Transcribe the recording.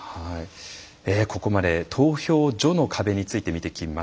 ここまで投票所の壁について見てきました。